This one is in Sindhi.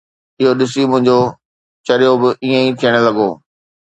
اهو ڏسي منهنجو چريو به ائين ٿيڻ لڳو.